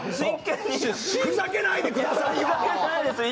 ふざけないでくださいよ。